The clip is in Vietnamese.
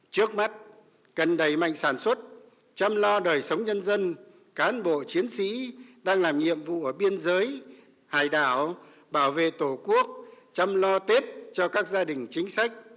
trước mắt cần đẩy mạnh sản xuất chăm lo đời sống nhân dân cán bộ chiến sĩ đang làm nhiệm vụ ở biên giới hải đảo bảo vệ tổ quốc chăm lo tết cho các gia đình chính sách